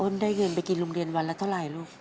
ได้เงินไปกินโรงเรียนวันละเท่าไหร่ลูก